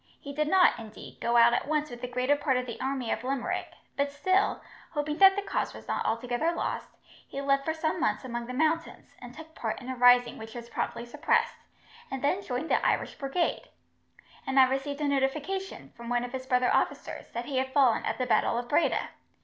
He did not, indeed, go out at once with the greater part of the army of Limerick, but still, hoping that the cause was not altogether lost, he lived for some months among the mountains, and took part in a rising which was promptly suppressed, and then joined the Irish Brigade; and I received a notification, from one of his brother officers, that he had fallen at the battle of Breda.